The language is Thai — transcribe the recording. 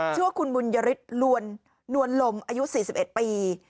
ชื่อว่าคุณบุญยฤทธิ์นวลลมอายุ๔๑ปี